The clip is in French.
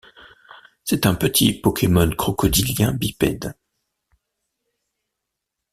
C'est un petit pokémon crocodilien bipède.